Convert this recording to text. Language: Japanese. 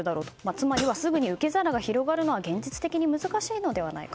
つまりすぐに受け皿が広がるのは現実的に難しいのではと。